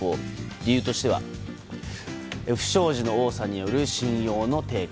理由としては不祥事の多さによる信用の低下